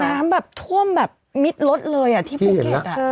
น้ำแบบท่วมแบบมิดรถเลยที่ภูเก็ต